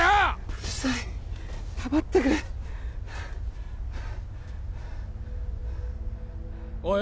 うるさい黙ってくれおい